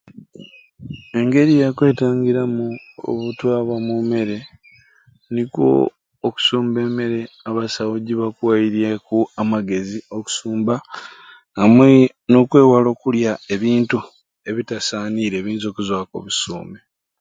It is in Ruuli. Engeri yakwetangiramu obutwa bwa mu mmere nikwo okusumba emmere abasawu gyebakuweryeku amagezi okusumba amwei nokwewala okulya ebintu ebitasanire ebiyinza okuzwaku obusume